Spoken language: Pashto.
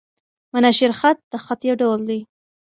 مناشیر خط؛ د خط یو ډول دﺉ.